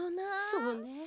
そうね。